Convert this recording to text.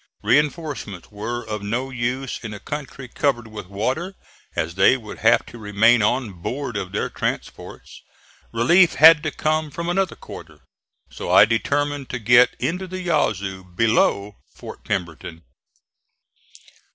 Reinforcements were of no use in a country covered with water, as they would have to remain on board of their transports. Relief had to come from another quarter. So I determined to get into the Yazoo below Fort Pemberton.